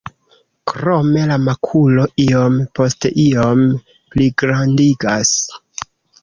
Krome la makulo iom post iom pligrandigas.